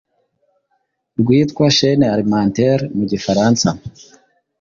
rwitwa ‘chaine alimentaire’ mu gifaransa,